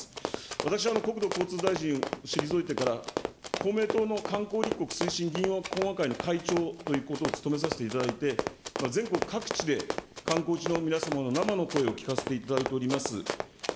私は国土交通大臣を退いてから、公明党の観光立国推進議員懇話会の会長ということを務めさせていただいて、全国各地で、観光地の皆様の生の声を聞かせていただいております。